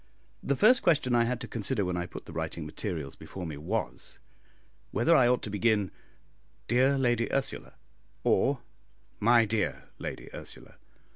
The first question I had to consider when I put the writing materials before me was, whether I ought to begin, "Dear Lady Ursula," or, "My dear Lady Ursula."